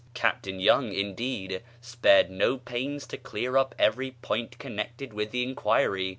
Captain Young, indeed, spared no pains to clear up every point connected with the enquiry.